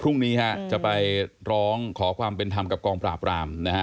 พรุ่งนี้ฮะจะไปร้องขอความเป็นธรรมกับกองปราบรามนะฮะ